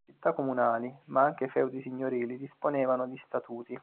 Città comunali, ma anche feudi signorili disponevano di statuti.